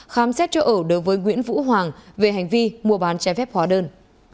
khám xét chỗ ở đối với nguyễn vũ hoàng về hành vi mua bán trái phép hóa đơn